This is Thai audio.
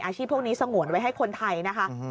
พวกนี้สงวนไว้ให้คนไทยนะคะ